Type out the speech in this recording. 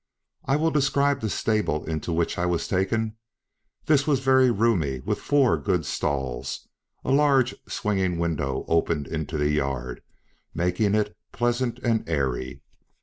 I will describe the stable into which I was taken; this was very roomy, with four good stalls; a large swinging window opened into the yard, making it pleasant and airy.